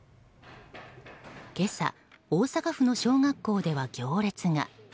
今朝大阪府の小学校では行列が。